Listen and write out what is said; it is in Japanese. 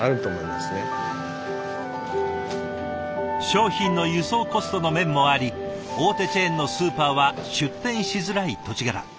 商品の輸送コストの面もあり大手チェーンのスーパーは出店しづらい土地柄。